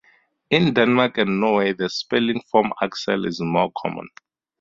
In Denmark and Norway the spelling form Aksel is more common.